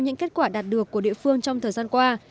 những kết quả đạt được của địa phương trong thời gian qua